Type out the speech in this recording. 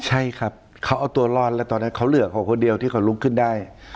ใช่ครับเขาเอาตัวรอดแล้วตอนนั้นเขาเหลือเขาคนเดียวที่เขาลุกขึ้นได้